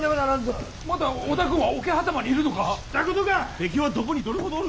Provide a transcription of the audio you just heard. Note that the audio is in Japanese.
敵はどこにどれほどおる？